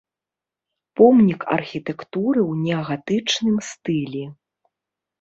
Помнік архітэктуры ў неагатычным стылі.